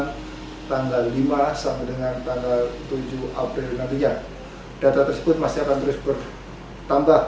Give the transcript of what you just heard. hai tanggal lima sampai dengan tanggal tujuh april nantinya data tersebut masih akan terus bertambah